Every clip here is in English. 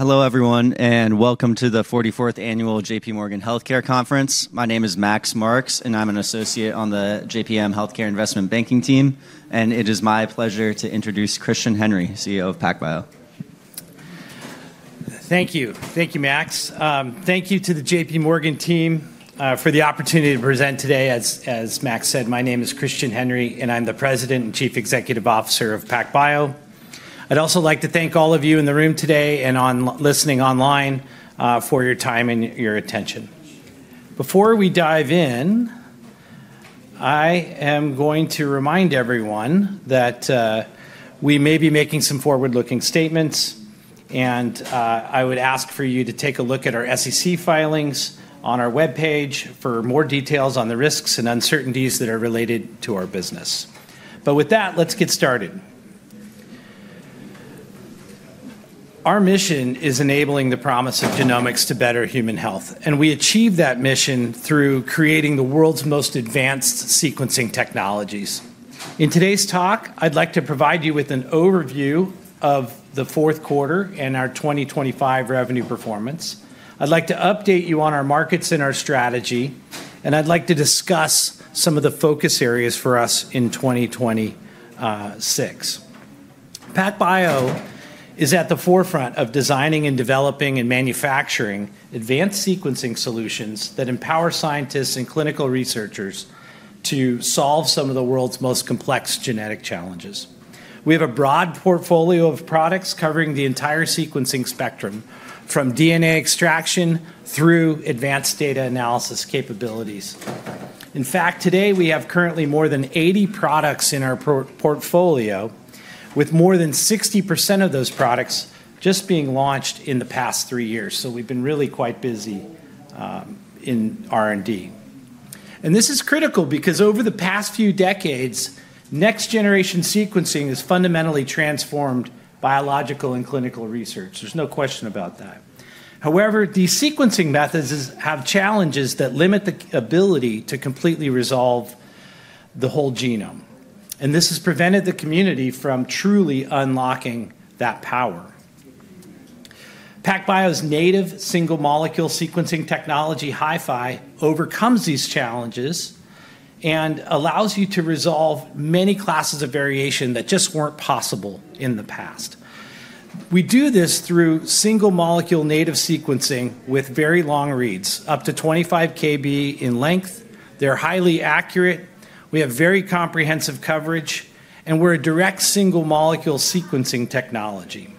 Hello, everyone, and welcome to the 44th Annual JPMorgan Healthcare Conference. My name is Max Marks, and I'm an associate on the JPM Healthcare Investment Banking team. It is my pleasure to introduce Christian Henry, CEO of PacBio. Thank you. Thank you, Max. Thank you to the JPMorgan team for the opportunity to present today. As Max said, my name is Christian Henry, and I'm the President and Chief Executive Officer of PacBio. I'd also like to thank all of you in the room today and those listening online for your time and your attention. Before we dive in, I am going to remind everyone that we may be making some forward-looking statements, and I would ask for you to take a look at our SEC filings on our web page for more details on the risks and uncertainties that are related to our business. But with that, let's get started. Our mission is enabling the promise of genomics to better human health, and we achieve that mission through creating the world's most advanced sequencing technologies. In today's talk, I'd like to provide you with an overview of the fourth quarter and our 2025 revenue performance. I'd like to update you on our markets and our strategy, and I'd like to discuss some of the focus areas for us in 2026. PacBio is at the forefront of designing and developing and manufacturing advanced sequencing solutions that empower scientists and clinical researchers to solve some of the world's most complex genetic challenges. We have a broad portfolio of products covering the entire sequencing spectrum, from DNA extraction through advanced data analysis capabilities. In fact, today we have currently more than 80 products in our portfolio, with more than 60% of those products just being launched in the past three years. So we've been really quite busy in R&D. And this is critical because over the past few decades, next-generation sequencing has fundamentally transformed biological and clinical research. There's no question about that. However, these sequencing methods have challenges that limit the ability to completely resolve the whole genome, and this has prevented the community from truly unlocking that power. PacBio's native single-molecule sequencing technology, HiFi, overcomes these challenges and allows you to resolve many classes of variation that just weren't possible in the past. We do this through single-molecule native sequencing with very long reads, up to 25 kB in length. They're highly accurate. We have very comprehensive coverage, and we're a direct single-molecule sequencing technology.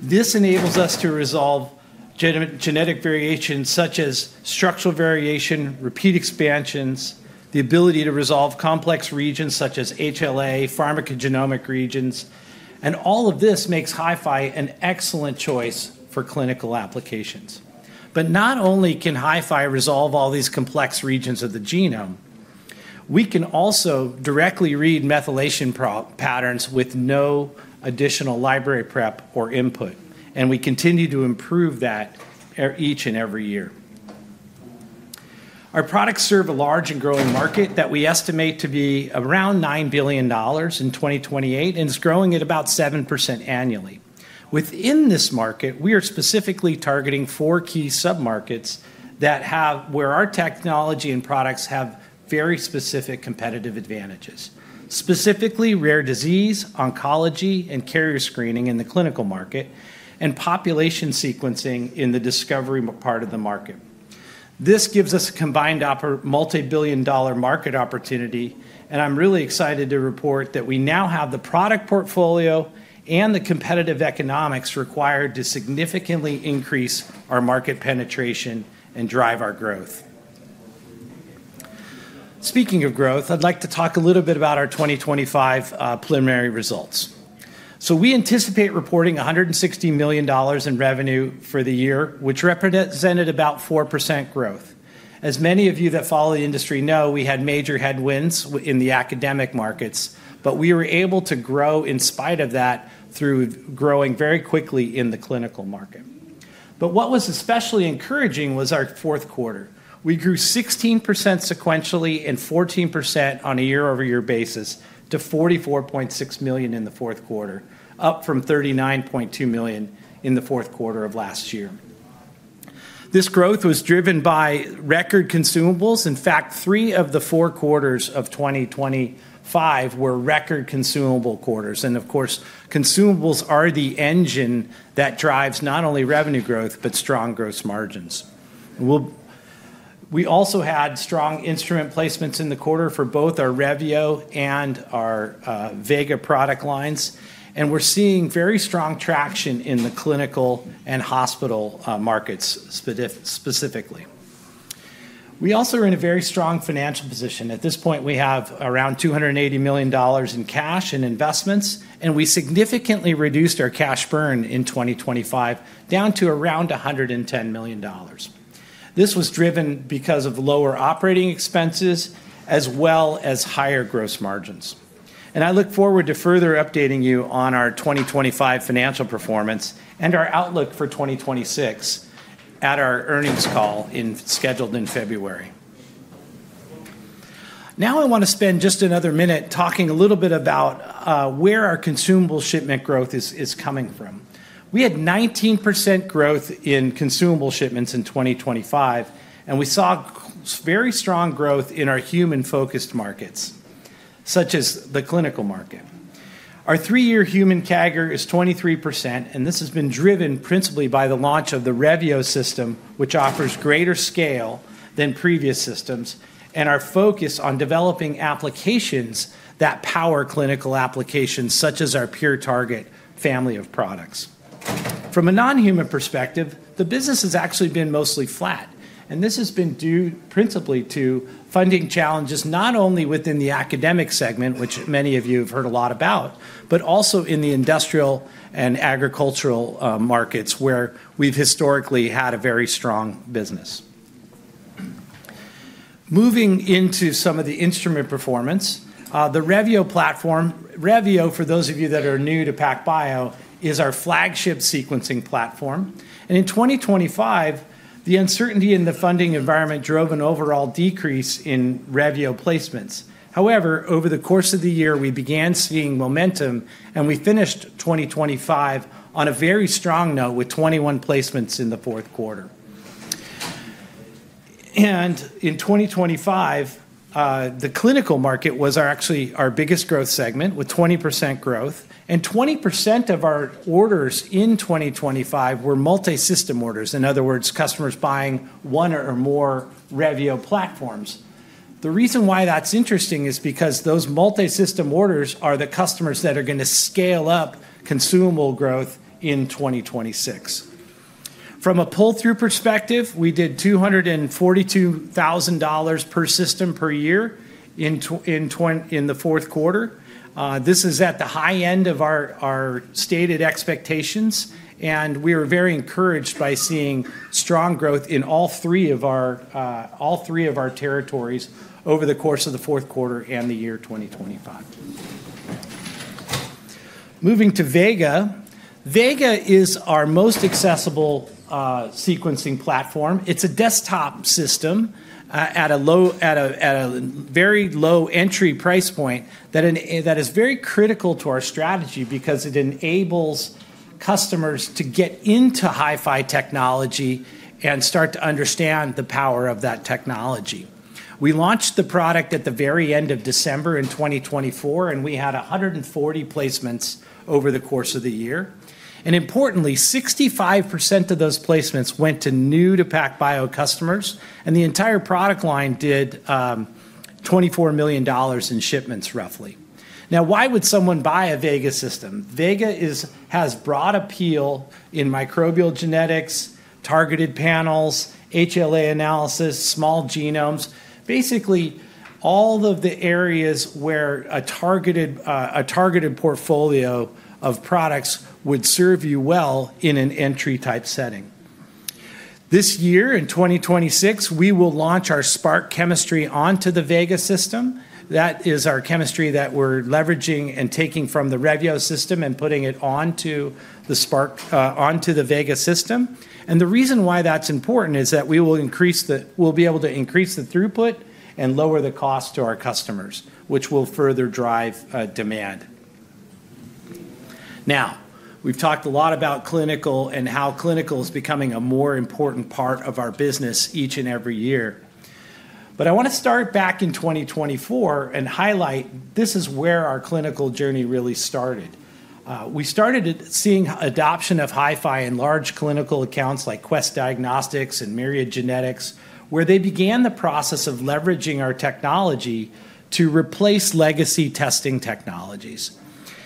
This enables us to resolve genetic variations such as structural variation, repeat expansions, the ability to resolve complex regions such as HLA, pharmacogenomic regions, and all of this makes HiFi an excellent choice for clinical applications. But not only can HiFi resolve all these complex regions of the genome, we can also directly read methylation patterns with no additional library prep or input, and we continue to improve that each and every year. Our products serve a large and growing market that we estimate to be around $9 billion in 2028, and it's growing at about 7% annually. Within this market, we are specifically targeting four key submarkets where our technology and products have very specific competitive advantages, specifically rare disease, oncology, and carrier screening in the clinical market, and population sequencing in the discovery part of the market. This gives us a combined multi-billion dollar market opportunity, and I'm really excited to report that we now have the product portfolio and the competitive economics required to significantly increase our market penetration and drive our growth. Speaking of growth, I'd like to talk a little bit about our 2025 preliminary results. So we anticipate reporting $160 million in revenue for the year, which represented about 4% growth. As many of you that follow the industry know, we had major headwinds in the academic markets, but we were able to grow in spite of that through growing very quickly in the clinical market. But what was especially encouraging was our fourth quarter. We grew 16% sequentially and 14% on a year-over-year basis to $44.6 million in the fourth quarter, up from $39.2 million in the fourth quarter of last year. This growth was driven by record consumables. In fact, three of the four quarters of 2025 were record consumable quarters. And of course, consumables are the engine that drives not only revenue growth but strong gross margins. We also had strong instrument placements in the quarter for both our Revio and our Vega product lines, and we're seeing very strong traction in the clinical and hospital markets specifically. We also are in a very strong financial position. At this point, we have around $280 million in cash and investments, and we significantly reduced our cash burn in 2025 down to around $110 million. This was driven because of lower operating expenses as well as higher gross margins, and I look forward to further updating you on our 2025 financial performance and our outlook for 2026 at our earnings call scheduled in February. Now I want to spend just another minute talking a little bit about where our consumable shipment growth is coming from. We had 19% growth in consumable shipments in 2025, and we saw very strong growth in our human-focused markets, such as the clinical market. Our three-year human CAGR is 23%, and this has been driven principally by the launch of the Revio system, which offers greater scale than previous systems, and our focus on developing applications that power clinical applications, such as our PureTarget family of products. From a non-human perspective, the business has actually been mostly flat, and this has been due principally to funding challenges not only within the academic segment, which many of you have heard a lot about, but also in the industrial and agricultural markets where we've historically had a very strong business. Moving into some of the instrument performance, the Revio platform, Revio, for those of you that are new to PacBio, is our flagship sequencing platform. And in 2025, the uncertainty in the funding environment drove an overall decrease in Revio placements. However, over the course of the year, we began seeing momentum, and we finished 2025 on a very strong note with 21 placements in the fourth quarter. And in 2025, the clinical market was actually our biggest growth segment with 20% growth, and 20% of our orders in 2025 were multi-system orders. In other words, customers buying one or more Revio platforms. The reason why that's interesting is because those multi-system orders are the customers that are going to scale up consumable growth in 2026. From a pull-through perspective, we did $242,000 per system per year in the fourth quarter. This is at the high end of our stated expectations, and we are very encouraged by seeing strong growth in all three of our territories over the course of the fourth quarter and the year 2025. Moving to Vega. Vega is our most accessible sequencing platform. It's a desktop system at a very low entry price point that is very critical to our strategy because it enables customers to get into HiFi technology and start to understand the power of that technology. We launched the product at the very end of December in 2024, and we had 140 placements over the course of the year. Importantly, 65% of those placements went to new-to-PacBio customers, and the entire product line did $24 million in shipments, roughly. Now, why would someone buy a Vega system? Vega has broad appeal in microbial genetics, targeted panels, HLA analysis, small genomes, basically all of the areas where a targeted portfolio of products would serve you well in an entry-type setting. This year, in 2026, we will launch our SPRQ chemistry onto the Vega system. That is our chemistry that we're leveraging and taking from the Revio system and putting it onto the Vega system. And the reason why that's important is that we will be able to increase the throughput and lower the cost to our customers, which will further drive demand. Now, we've talked a lot about clinical and how clinical is becoming a more important part of our business each and every year. But I want to start back in 2024 and highlight this is where our clinical journey really started. We started seeing adoption of HiFi in large clinical accounts like Quest Diagnostics and Myriad Genetics, where they began the process of leveraging our technology to replace legacy testing technologies.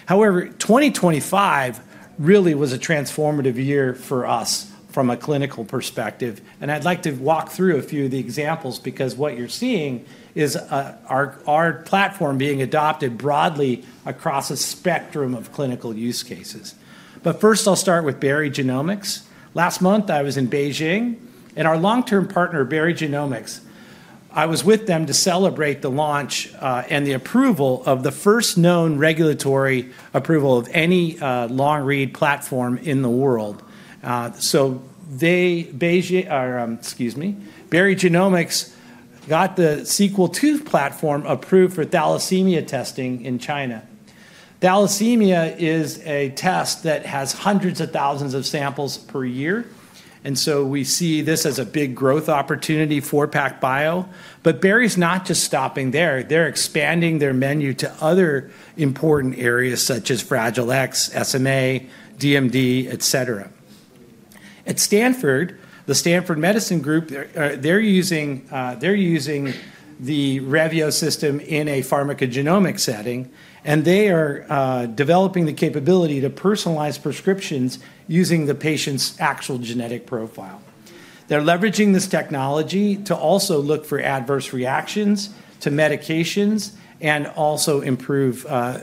However, 2025 really was a transformative year for us from a clinical perspective, and I'd like to walk through a few of the examples because what you're seeing is our platform being adopted broadly across a spectrum of clinical use cases. But first, I'll start with Berry Genomics. Last month, I was in Beijing, and our long-term partner, Berry Genomics, I was with them to celebrate the launch and the approval of the first known regulatory approval of any long-read platform in the world. So Berry Genomics got the Sequel II platform approved for thalassemia testing in China. Thalassemia is a test that has hundreds of thousands of samples per year, and so we see this as a big growth opportunity for PacBio. But Berry's not just stopping there. They're expanding their menu to other important areas such as Fragile X, SMA, DMD, etc. At Stanford, the Stanford Medicine Group, they're using the Revio system in a pharmacogenomic setting, and they are developing the capability to personalize prescriptions using the patient's actual genetic profile. They're leveraging this technology to also look for adverse reactions to medications and also improve the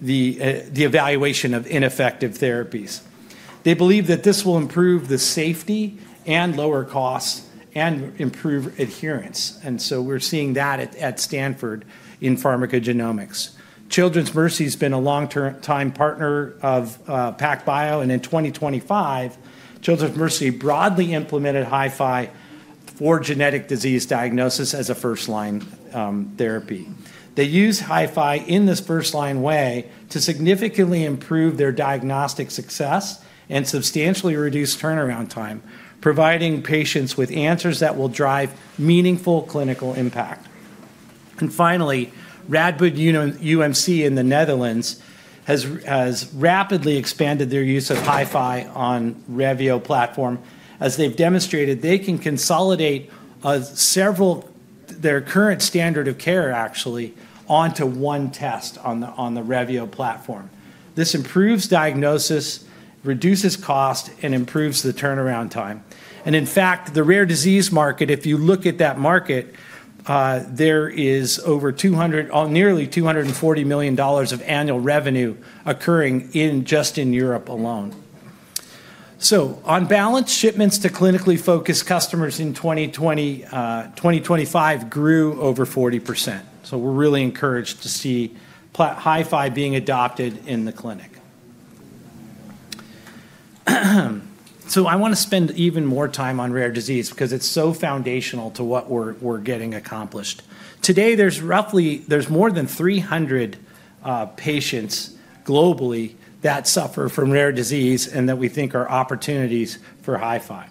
evaluation of ineffective therapies. They believe that this will improve the safety and lower costs and improve adherence, and so we're seeing that at Stanford in pharmacogenomics. Children's Mercy has been a long-time partner of PacBio, and in 2025, Children's Mercy broadly implemented HiFi for genetic disease diagnosis as a first-line therapy. They use HiFi in this first-line way to significantly improve their diagnostic success and substantially reduce turnaround time, providing patients with answers that will drive meaningful clinical impact. Finally, Radboudumc in the Netherlands has rapidly expanded their use of HiFi on Revio platform as they've demonstrated they can consolidate their current standard of care, actually, onto one test on the Revio platform. This improves diagnosis, reduces cost, and improves the turnaround time. In fact, the rare disease market, if you look at that market, there is nearly $240 million of annual revenue occurring just in Europe alone. On balance, shipments to clinically focused customers in 2025 grew over 40%. We're really encouraged to see HiFi being adopted in the clinic. I want to spend even more time on rare disease because it's so foundational to what we're getting accomplished. Today, there's more than 300 patients globally that suffer from rare disease and that we think are opportunities for HiFi.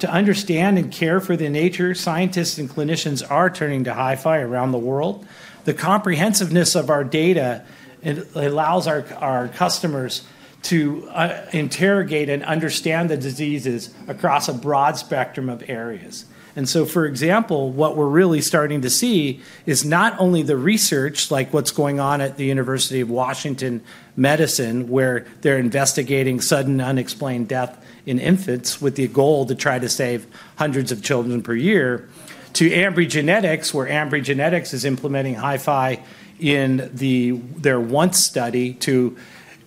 To understand and care for the nature, scientists and clinicians are turning to HiFi around the world. The comprehensiveness of our data allows our customers to interrogate and understand the diseases across a broad spectrum of areas. And so, for example, what we're really starting to see is not only the research, like what's going on at the University of Washington Medicine, where they're investigating sudden unexplained death in infants with the goal to try to save hundreds of children per year, to Ambry Genetics, where Ambry Genetics is implementing HiFi in their once study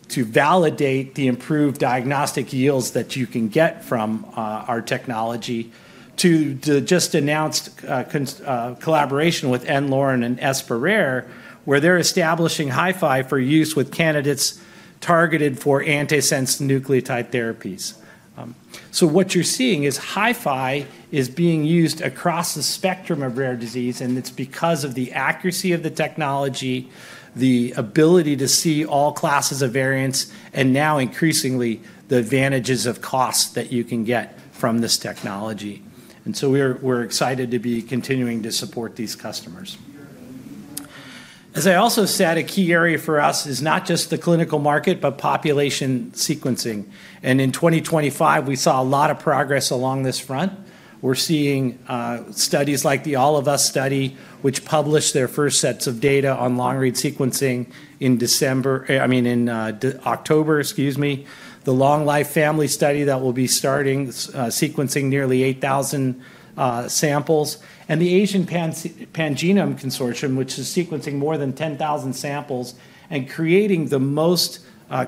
to validate the improved diagnostic yields that you can get from our technology, to the just announced collaboration with the n-Lorem Foundation, where they're establishing HiFi for use with candidates targeted for antisense oligonucleotide therapies. So what you're seeing is HiFi is being used across the spectrum of rare disease, and it's because of the accuracy of the technology, the ability to see all classes of variants, and now increasingly the advantages of cost that you can get from this technology. And so we're excited to be continuing to support these customers. As I also said, a key area for us is not just the clinical market, but population sequencing. And in 2025, we saw a lot of progress along this front. We're seeing studies like the All of Us study, which published their first sets of data on long-read sequencing in December, I mean, in October, excuse me, the Long Life Family Study that will be starting sequencing nearly 8,000 samples, and the Asian Pangenome Consortium, which is sequencing more than 10,000 samples and creating the most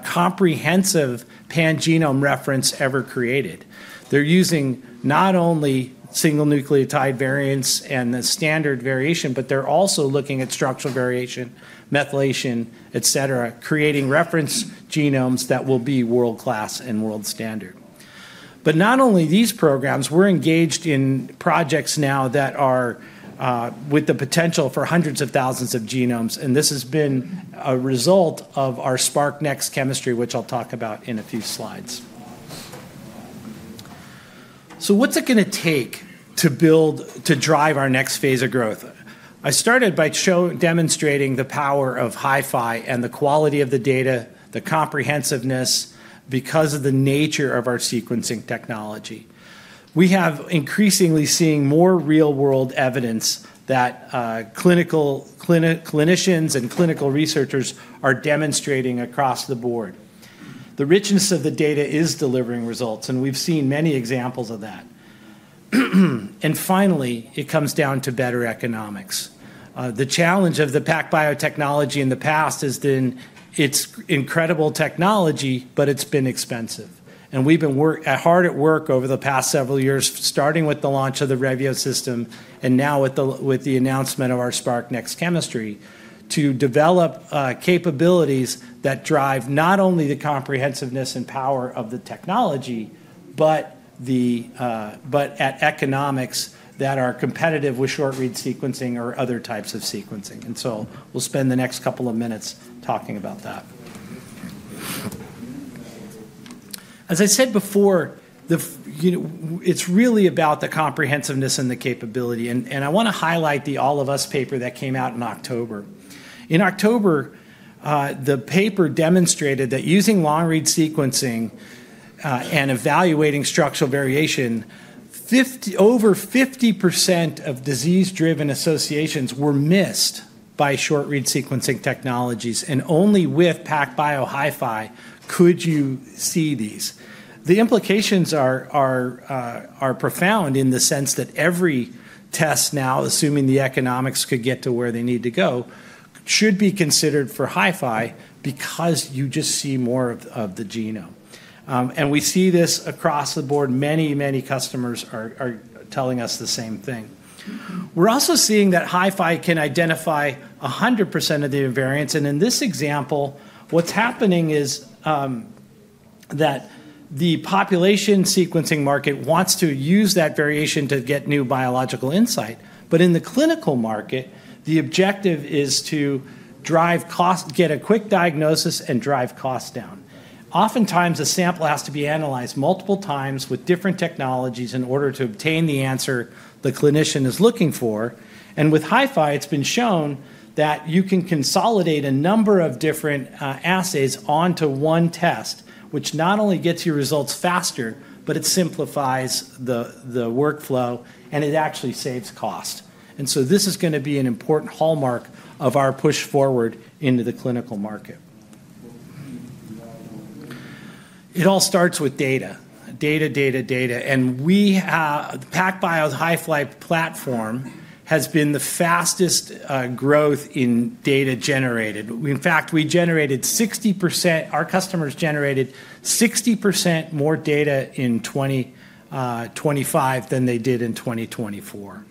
comprehensive pangenome reference ever created. They're using not only single nucleotide variants and the standard variation, but they're also looking at structural variation, methylation, etc., creating reference genomes that will be world-class and world-standard, but not only these programs. We're engaged in projects now that are with the potential for hundreds of thousands of genomes, and this has been a result of our SPRQ chemistry, which I'll talk about in a few slides, so what's it going to take to drive our next phase of growth? I started by demonstrating the power of HiFi and the quality of the data, the comprehensiveness, because of the nature of our sequencing technology. We have increasingly seen more real-world evidence that clinical clinicians and clinical researchers are demonstrating across the board. The richness of the data is delivering results, and we've seen many examples of that, and finally, it comes down to better economics. The challenge of the PacBio technology in the past has been its incredible technology, but it's been expensive, and we've been hard at work over the past several years, starting with the launch of the Revio system and now with the announcement of our SPRQ Next Chemistry, to develop capabilities that drive not only the comprehensiveness and power of the technology, but at economics that are competitive with short-read sequencing or other types of sequencing, and so we'll spend the next couple of minutes talking about that. As I said before, it's really about the comprehensiveness and the capability, and I want to highlight the All of Us paper that came out in October. In October, the paper demonstrated that using long-read sequencing and evaluating structural variation, over 50% of disease-driven associations were missed by short-read sequencing technologies, and only with PacBio HiFi could you see these. The implications are profound in the sense that every test now, assuming the economics could get to where they need to go, should be considered for HiFi because you just see more of the genome, and we see this across the board. Many, many customers are telling us the same thing. We're also seeing that HiFi can identify 100% of the variants, and in this example, what's happening is that the population sequencing market wants to use that variation to get new biological insight, but in the clinical market, the objective is to get a quick diagnosis and drive costs down. Oftentimes, a sample has to be analyzed multiple times with different technologies in order to obtain the answer the clinician is looking for. And with HiFi, it's been shown that you can consolidate a number of different assays onto one test, which not only gets you results faster, but it simplifies the workflow, and it actually saves cost. And so this is going to be an important hallmark of our push forward into the clinical market. It all starts with data, data, data, data. And PacBio's HiFi platform has been the fastest growth in data generated. In fact, our customers generated 60% more data in 2025 than they did in 2024.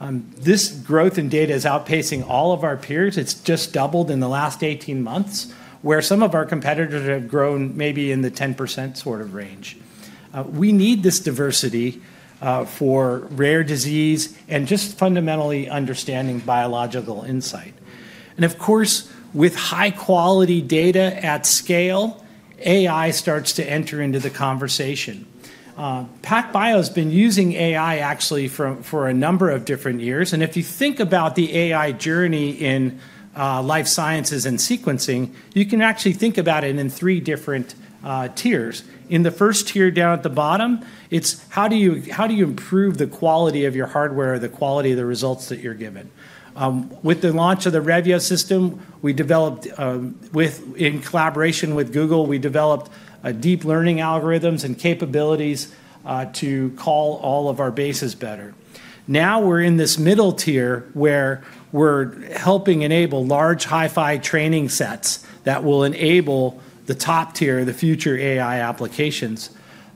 This growth in data is outpacing all of our peers. It's just doubled in the last 18 months, where some of our competitors have grown maybe in the 10% sort of range. We need this diversity for rare disease and just fundamentally understanding biological insight. And of course, with high-quality data at scale, AI starts to enter into the conversation. PacBio has been using AI, actually, for a number of different years, and if you think about the AI journey in life sciences and sequencing, you can actually think about it in three different tiers. In the first tier down at the bottom, it's how do you improve the quality of your hardware, the quality of the results that you're given. With the launch of the Revio system, in collaboration with Google, we developed deep learning algorithms and capabilities to call all of our bases better. Now we're in this middle tier where we're helping enable large HiFi training sets that will enable the top tier, the future AI applications,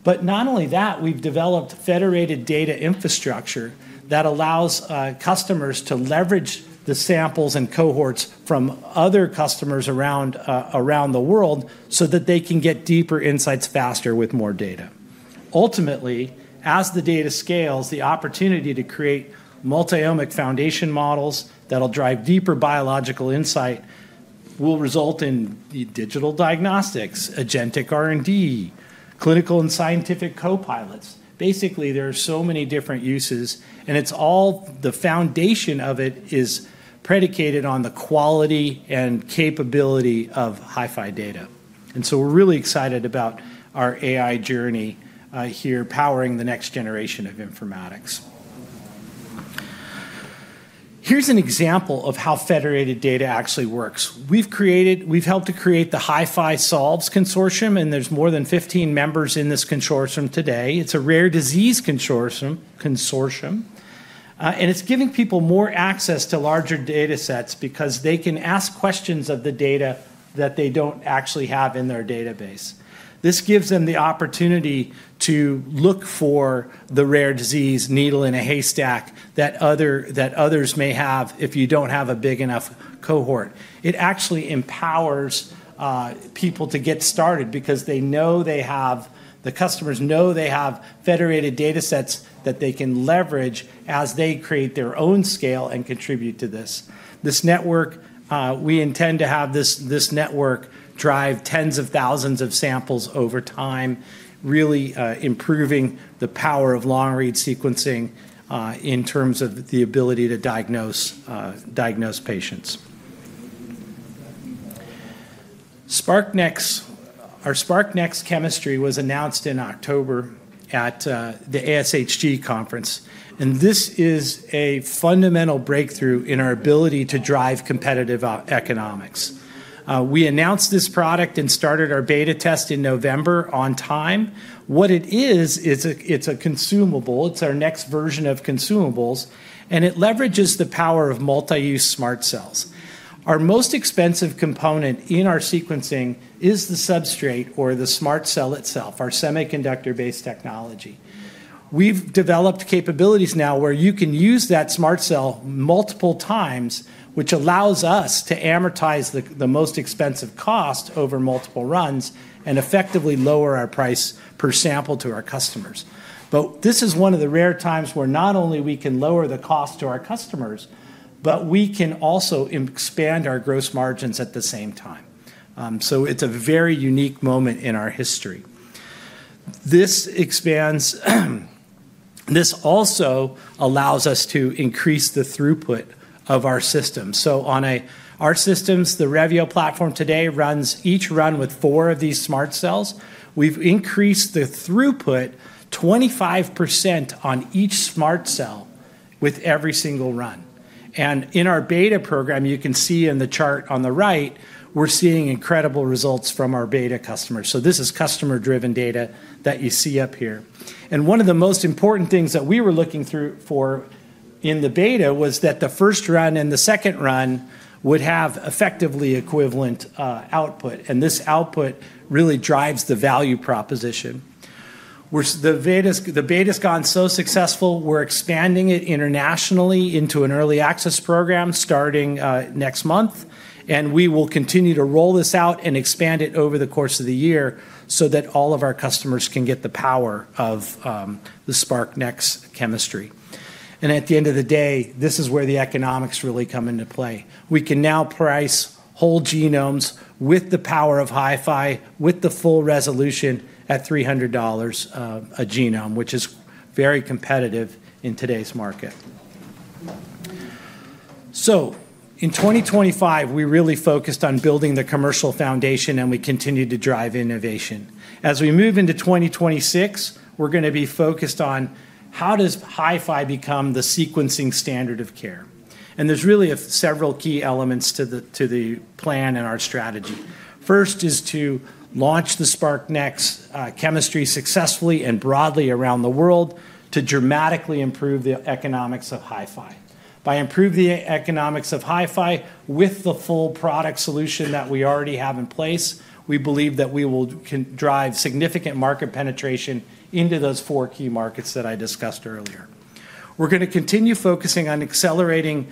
but not only that, we've developed federated data infrastructure that allows customers to leverage the samples and cohorts from other customers around the world so that they can get deeper insights faster with more data. Ultimately, as the data scales, the opportunity to create multi-omic foundation models that'll drive deeper biological insight will result in digital diagnostics, agentic R&D, clinical and scientific co-pilots. Basically, there are so many different uses, and the foundation of it is predicated on the quality and capability of HiFi data. And so we're really excited about our AI journey here powering the next generation of informatics. Here's an example of how federated data actually works. We've helped to create the HiFi Solves Consortium, and there's more than 15 members in this consortium today. It's a rare disease consortium, and it's giving people more access to larger data sets because they can ask questions of the data that they don't actually have in their database. This gives them the opportunity to look for the rare disease needle in a haystack that others may have if you don't have a big enough cohort. It actually empowers people to get started because they know they have the customers know they have federated data sets that they can leverage as they create their own scale and contribute to this. We intend to have this network drive tens of thousands of samples over time, really improving the power of long-read sequencing in terms of the ability to diagnose patients. Our SPRQ Next Chemistry was announced in October at the ASHG conference, and this is a fundamental breakthrough in our ability to drive competitive economics. We announced this product and started our beta test in November on time. What it is, it's a consumable. It's our next version of consumables, and it leverages the power of multi-use SMRT cells. Our most expensive component in our sequencing is the substrate or the SMRT cell itself, our semiconductor-based technology. We've developed capabilities now where you can use that SMRT cell multiple times, which allows us to amortize the most expensive cost over multiple runs and effectively lower our price per sample to our customers. But this is one of the rare times where not only can we lower the cost to our customers, but we can also expand our gross margins at the same time. So it's a very unique moment in our history. This also allows us to increase the throughput of our system. So on our systems, the Revio platform today runs each run with four of these SMRT cells. We've increased the throughput 25% on each SMRT cell with every single run. And in our beta program, you can see in the chart on the right, we're seeing incredible results from our beta customers. So this is customer-driven data that you see up here. And one of the most important things that we were looking for in the beta was that the first run and the second run would have effectively equivalent output. And this output really drives the value proposition. The beta's gone so successful, we're expanding it internationally into an early access program starting next month, and we will continue to roll this out and expand it over the course of the year so that all of our customers can get the power of the SPRQ chemistry. And at the end of the day, this is where the economics really come into play. We can now price whole genomes with the power of HiFi, with the full resolution at $300 a genome, which is very competitive in today's market. So in 2025, we really focused on building the commercial foundation, and we continue to drive innovation. As we move into 2026, we're going to be focused on how does HiFi become the sequencing standard of care. And there's really several key elements to the plan and our strategy. First is to launch the SPRQ Next Chemistry successfully and broadly around the world to dramatically improve the economics of HiFi. By improving the economics of HiFi with the full product solution that we already have in place, we believe that we will drive significant market penetration into those four key markets that I discussed earlier. We're going to continue focusing on accelerating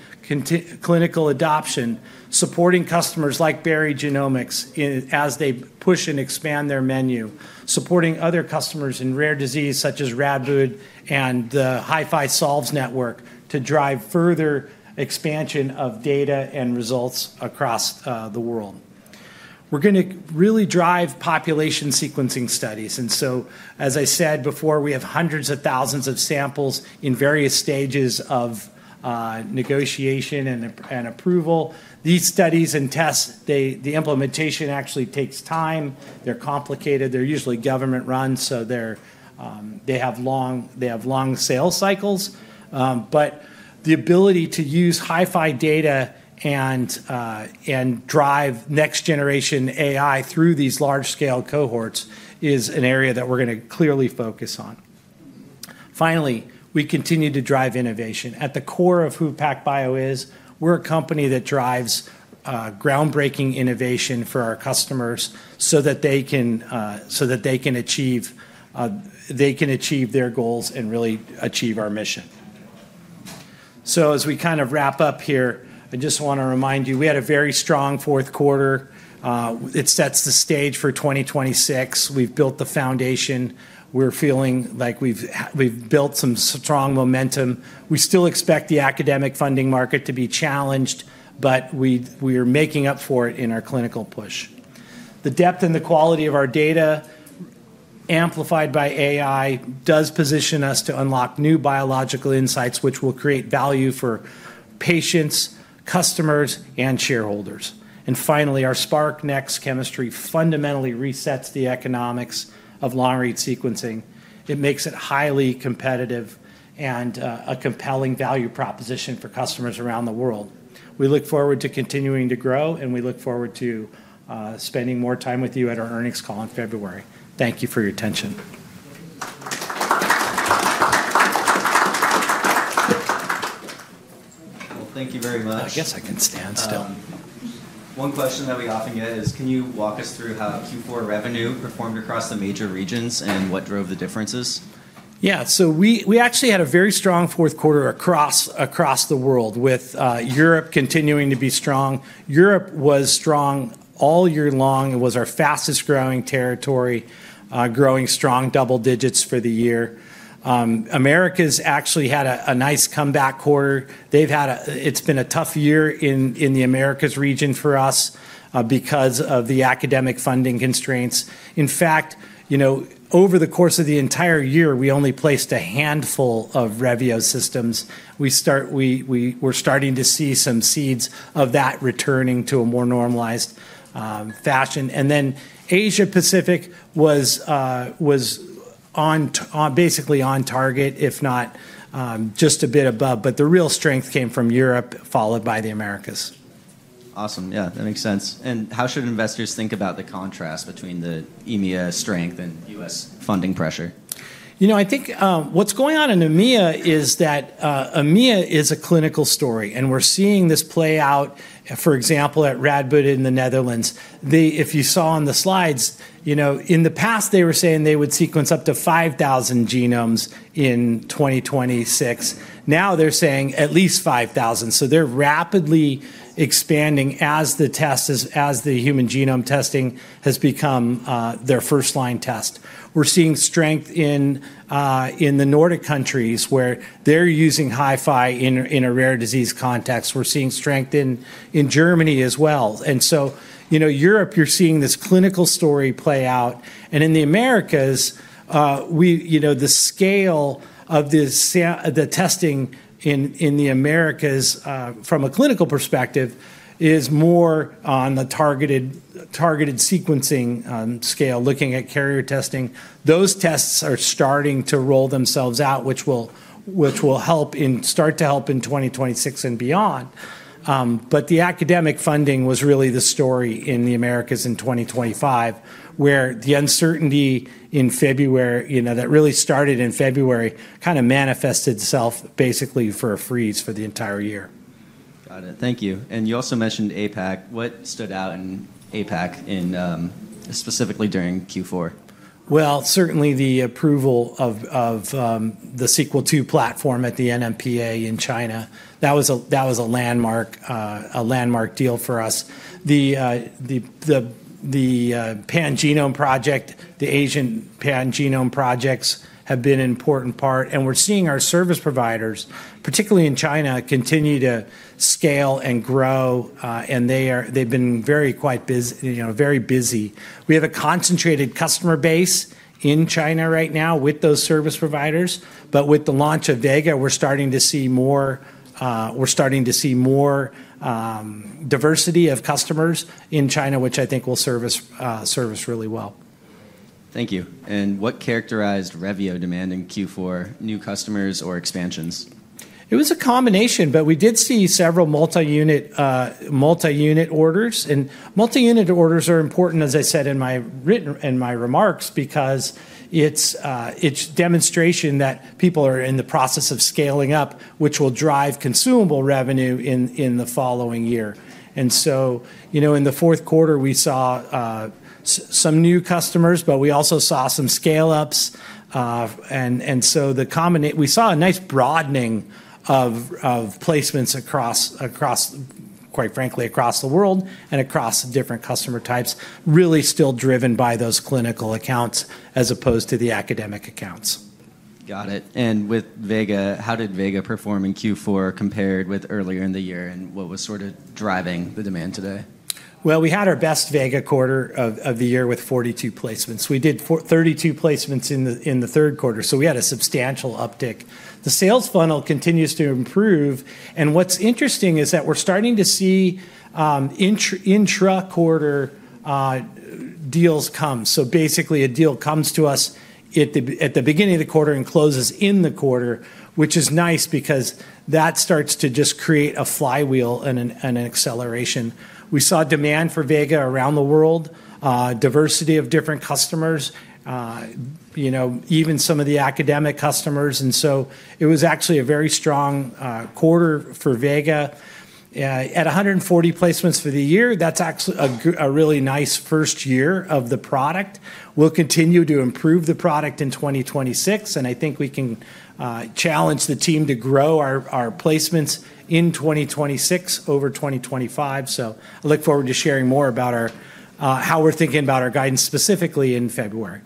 clinical adoption, supporting customers like Berry Genomics as they push and expand their menu, supporting other customers in rare disease such as Radboudumc and the HiFi Solves network to drive further expansion of data and results across the world. We're going to really drive population sequencing studies. And so, as I said before, we have hundreds of thousands of samples in various stages of negotiation and approval. These studies and tests, the implementation actually takes time. They're complicated. They're usually government-run, so they have long sales cycles. But the ability to use HiFi data and drive next-generation AI through these large-scale cohorts is an area that we're going to clearly focus on. Finally, we continue to drive innovation. At the core of who PacBio is, we're a company that drives groundbreaking innovation for our customers so that they can achieve their goals and really achieve our mission. So as we kind of wrap up here, I just want to remind you we had a very strong fourth quarter. It sets the stage for 2026. We've built the foundation. We're feeling like we've built some strong momentum. We still expect the academic funding market to be challenged, but we are making up for it in our clinical push. The depth and the quality of our data amplified by AI does position us to unlock new biological insights, which will create value for patients, customers, and shareholders. And finally, our SPRQ chemistry fundamentally resets the economics of long-read sequencing. It makes it highly competitive and a compelling value proposition for customers around the world. We look forward to continuing to grow, and we look forward to spending more time with you at our earnings call in February. Thank you for your attention. Thank you very much. I guess I can stand still. One question that we often get is, can you walk us through how Q4 revenue performed across the major regions and what drove the differences? Yeah. So we actually had a very strong fourth quarter across the world, with Europe continuing to be strong. Europe was strong all year long. It was our fastest-growing territory, growing strong double digits for the year. Americas actually had a nice comeback quarter. It's been a tough year in the Americas region for us because of the academic funding constraints. In fact, over the course of the entire year, we only placed a handful of Revio systems. We're starting to see some seeds of that returning to a more normalized fashion. And then Asia-Pacific was basically on target, if not just a bit above. But the real strength came from Europe, followed by the Americas. Awesome. Yeah, that makes sense. And how should investors think about the contrast between the EMEA strength and U.S. funding pressure? You know, I think what's going on in EMEA is that EMEA is a clinical story, and we're seeing this play out, for example, at Radboudumc in the Netherlands. If you saw on the slides, in the past, they were saying they would sequence up to 5,000 genomes in 2026. Now they're saying at least 5,000. So they're rapidly expanding as the human genome testing has become their first-line test. We're seeing strength in the Nordic countries where they're using HiFi in a rare disease context. We're seeing strength in Germany as well. And so Europe, you're seeing this clinical story play out. And in the Americas, the scale of the testing in the Americas from a clinical perspective is more on the targeted sequencing scale, looking at carrier testing. Those tests are starting to roll themselves out, which will start to help in 2026 and beyond. But the academic funding was really the story in the Americas in 2025, where the uncertainty in February that really started in February kind of manifested itself basically for a freeze for the entire year. Got it. Thank you, and you also mentioned APAC. What stood out in APAC, specifically during Q4? Certainly the approval of the Sequel II platform at the NMPA in China. That was a landmark deal for us. The Pangenome Project, the Asian Pangenome Projects have been an important part. And we're seeing our service providers, particularly in China, continue to scale and grow. And they've been very busy. We have a concentrated customer base in China right now with those service providers. But with the launch of Vega, we're starting to see more diversity of customers in China, which I think will serve us really well. Thank you. And what characterized Revio demand in Q4 new customers or expansions? It was a combination, but we did see several multi-unit orders. And multi-unit orders are important, as I said in my remarks, because it's demonstration that people are in the process of scaling up, which will drive consumable revenue in the following year. And so in the fourth quarter, we saw some new customers, but we also saw some scale-ups. And so we saw a nice broadening of placements across, quite frankly, across the world and across different customer types, really still driven by those clinical accounts as opposed to the academic accounts. Got it. And with Vega, how did Vega perform in Q4 compared with earlier in the year? And what was sort of driving the demand today? We had our best Vega quarter of the year with 42 placements. We did 32 placements in the third quarter, so we had a substantial uptick. The sales funnel continues to improve. And what's interesting is that we're starting to see intra-quarter deals come. So basically, a deal comes to us at the beginning of the quarter and closes in the quarter, which is nice because that starts to just create a flywheel and an acceleration. We saw demand for Vega around the world, diversity of different customers, even some of the academic customers. And so it was actually a very strong quarter for Vega. At 140 placements for the year, that's actually a really nice first year of the product. We'll continue to improve the product in 2026, and I think we can challenge the team to grow our placements in 2026 over 2025. So I look forward to sharing more about how we're thinking about our guidance specifically in February.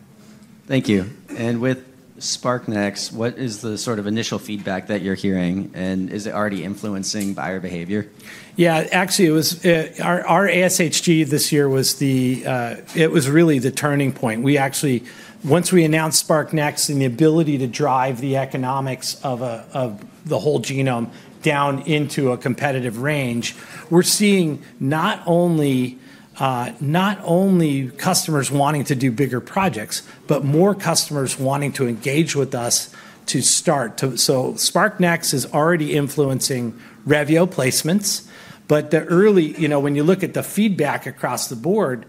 Thank you. And with SPRQ Next, what is the sort of initial feedback that you're hearing? And is it already influencing buyer behavior? Yeah, actually, our ASHG this year was really the turning point. Once we announced SPRQ Next and the ability to drive the economics of the whole genome down into a competitive range, we're seeing not only customers wanting to do bigger projects, but more customers wanting to engage with us to start. So SPRQ Next is already influencing Revio placements. But when you look at the feedback across the board,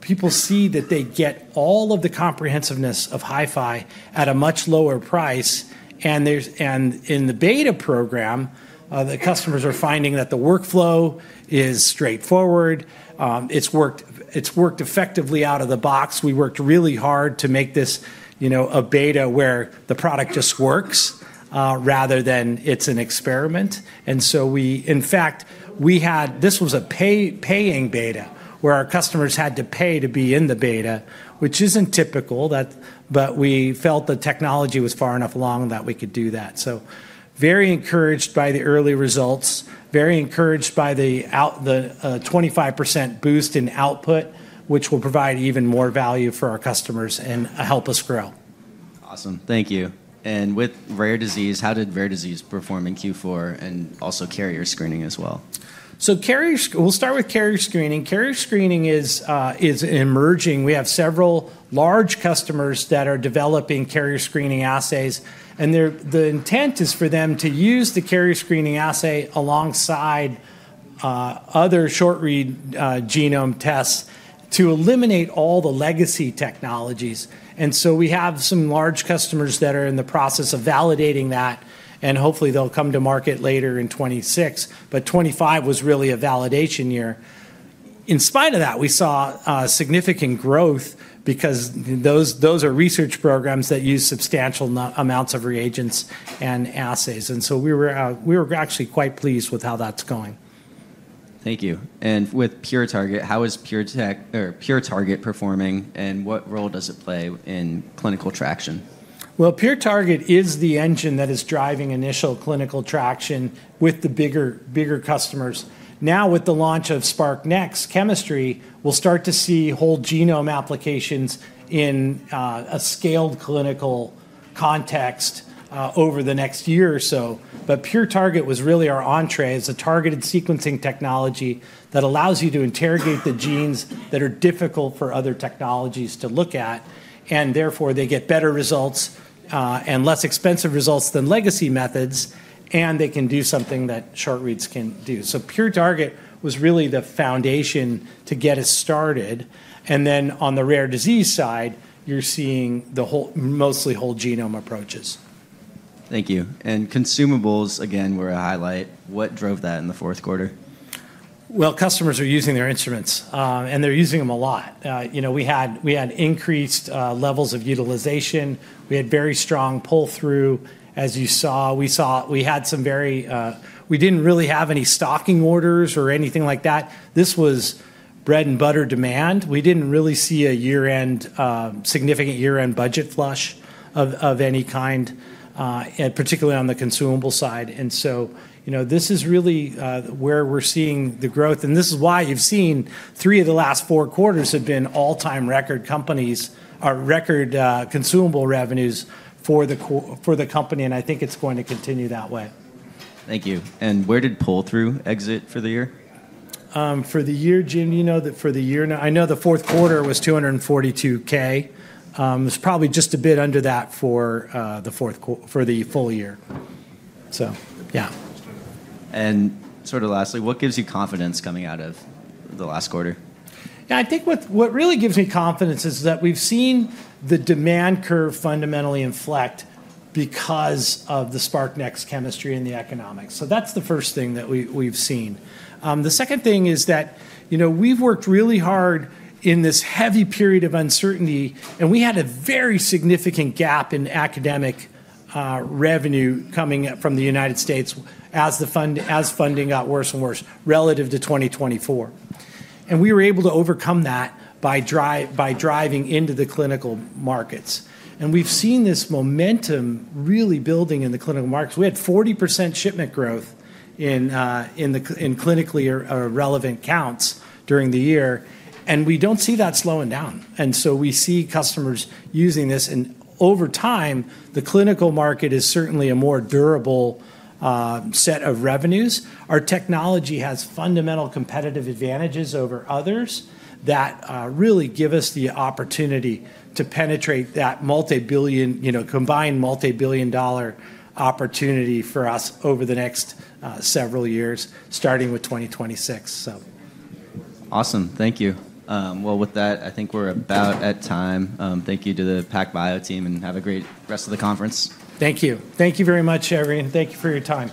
people see that they get all of the comprehensiveness of HiFi at a much lower price. And in the beta program, the customers are finding that the workflow is straightforward. It's worked effectively out of the box. We worked really hard to make this a beta where the product just works rather than it's an experiment. In fact, this was a paying beta where our customers had to pay to be in the beta, which isn't typical, but we felt the technology was far enough along that we could do that. We are very encouraged by the early results, very encouraged by the 25% boost in output, which will provide even more value for our customers and help us grow. Awesome. Thank you. And with rare disease, how did rare disease perform in Q4 and also carrier screening as well? We'll start with carrier screening. Carrier screening is emerging. We have several large customers that are developing carrier screening assays. The intent is for them to use the carrier screening assay alongside other short-read genome tests to eliminate all the legacy technologies. We have some large customers that are in the process of validating that. Hopefully, they'll come to market later in 2026. 2025 was really a validation year. In spite of that, we saw significant growth because those are research programs that use substantial amounts of reagents and assays. We were actually quite pleased with how that's going. Thank you. And with PureTarget, how is PureTarget performing? And what role does it play in clinical traction? PureTarget is the engine that is driving initial clinical traction with the bigger customers. Now, with the launch of SPRQ chemistry, we'll start to see whole genome applications in a scaled clinical context over the next year or so. But PureTarget was really our entrée as a targeted sequencing technology that allows you to interrogate the genes that are difficult for other technologies to look at. And therefore, they get better results and less expensive results than legacy methods, and they can do something that short-reads can do. So PureTarget was really the foundation to get us started. And then on the rare disease side, you're seeing mostly whole genome approaches. Thank you. And consumables, again, were a highlight. What drove that in the fourth quarter? Customers are using their instruments, and they're using them a lot. We had increased levels of utilization. We had very strong pull-through, as you saw. We had some. We didn't really have any stocking orders or anything like that. This was bread-and-butter demand. We didn't really see a significant year-end budget flush of any kind, particularly on the consumable side. This is really where we're seeing the growth. This is why you've seen three of the last four quarters have been all-time record consumable revenues for the company. I think it's going to continue that way. Thank you. And where did pull-through exit for the year? For the year, Jim, you know that for the year. I know the fourth quarter was 242K. It was probably just a bit under that for the full year. So yeah. And sort of lastly, what gives you confidence coming out of the last quarter? Yeah, I think what really gives me confidence is that we've seen the demand curve fundamentally inflect because of the SPRQ chemistry and the economics, so that's the first thing that we've seen. The second thing is that we've worked really hard in this heavy period of uncertainty, and we had a very significant gap in academic revenue coming from the United States as funding got worse and worse relative to 2024, and we were able to overcome that by driving into the clinical markets, and we've seen this momentum really building in the clinical markets. We had 40% shipment growth in clinically relevant counts during the year, and we don't see that slowing down, and so we see customers using this. And over time, the clinical market is certainly a more durable set of revenues. Our technology has fundamental competitive advantages over others that really give us the opportunity to penetrate that combined multi-billion dollar opportunity for us over the next several years, starting with 2026. Awesome. Thank you. Well, with that, I think we're about at time. Thank you to the PacBio team and have a great rest of the conference. Thank you. Thank you very much, everyone. Thank you for your time.